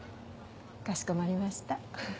かしこまりました。